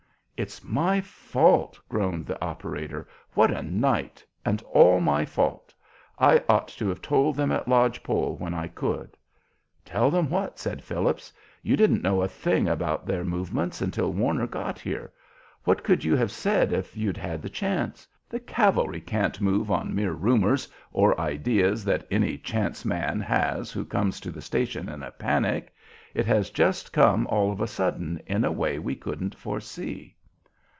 "It's my fault!" groaned the operator. "What a night, and all my fault! I ought to have told them at Lodge Pole when I could." "Tell them what?" said Phillips. "You didn't know a thing about their movements until Warner got here! What could you have said if you'd had the chance? The cavalry can't move on mere rumors or ideas that any chance man has who comes to the station in a panic. It has just come all of a sudden, in a way we couldn't foresee.